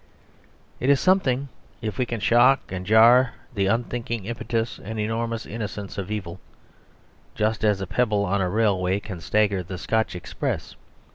It is something if we can shock and jar the unthinking impetus and enormous innocence of evil; just as a pebble on a railway can stagger the Scotch express.